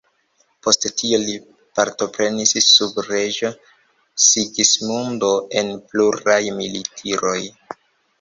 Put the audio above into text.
Post tio li partoprenis sub reĝo Sigismundo en pluraj militiroj.